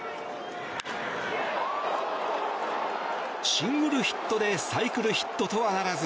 シングルヒットでサイクルヒットとはならず。